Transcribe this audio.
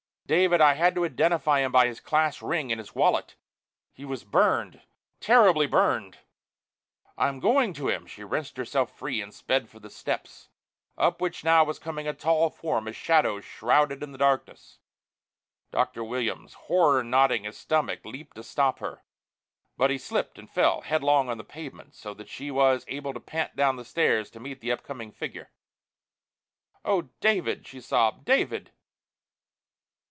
David I had to identify him by his class ring and his wallet. He was burned terribly burned!" "I'm going to him!" She wrenched herself free and sped for the steps, up which now was coming a tall form, a shadow shrouded in the darkness. Dr. Williams, horror knotting his stomach, leaped to stop her. But he slipped and fell headlong on the pavement, so that she was able to pant down the stairs to meet the upcoming figure. "Oh, David," she sobbed, "David!"